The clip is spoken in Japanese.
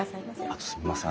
あとすみません